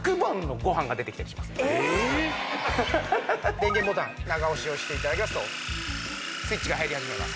電源ボタン長押しをして頂きますとスイッチが入り始めます。